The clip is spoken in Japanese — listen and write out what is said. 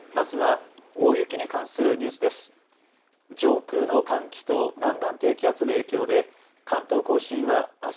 まずは大雪に関するニュースです。